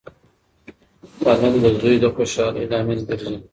تعلیم د زوی د خوشحالۍ لامل ګرځي.